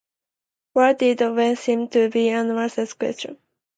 What they did with them seems to be an unanswered question.